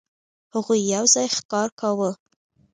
هغوی یو ځای ښکار کاوه.